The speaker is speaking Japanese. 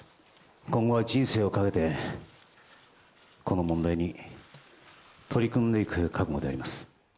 今後は人生をかけて、この問題に取り組んでいく覚悟であります。